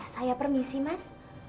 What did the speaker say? saya permisi mas